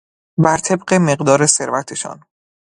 بر طبق مقدار ثروتشان